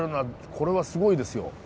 これはすごいですよ。